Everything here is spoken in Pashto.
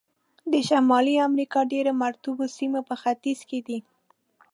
د شمالي امریکا ډېر مرطوبو سیمې په ختیځ کې دي.